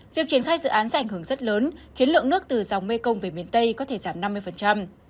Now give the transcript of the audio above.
việc triển khai dự án sẽ ảnh hưởng rất lớn khiến lượng nước từ dòng mekong về miền tây có thể giảm năm mươi